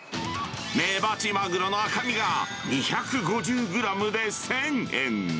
メバチマグロの赤身が２５０グラムで１０００円。